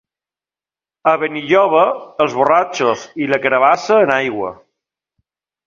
A Benilloba els borratxos i la carabassa en aigua.